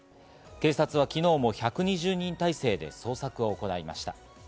警察は昨日も１２０人態勢で捜索を行いました。